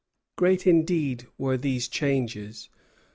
Great indeed were these changes.